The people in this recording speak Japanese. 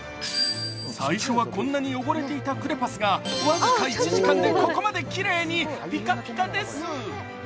最初は、こんなに汚れていたクレパスが、僅か１時間でここまできれいに、ピカピカです。